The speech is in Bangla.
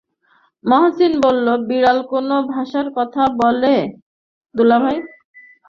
মহসিন বলল, বিড়াল কোন ভাষায় কথা বলে দুলাভাই?